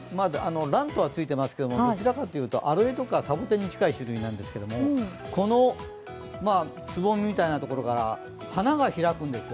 ランとはついていますが、どちらかというとアロエとかサボテンに近い種類なんですけれども、このつぼみみたいなところから、花が開くんですって。